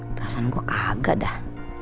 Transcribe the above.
perasaan gue kagak dah